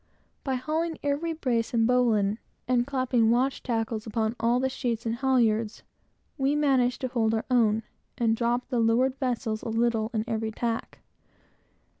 By hauling every brace and bowline, and clapping watch tackles upon all the sheets and halyards, we managed to hold our own, and drop the leeward vessels a little in every tack.